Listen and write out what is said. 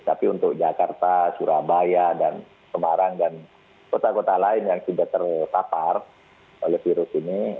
tapi untuk jakarta surabaya dan semarang dan kota kota lain yang sudah terpapar oleh virus ini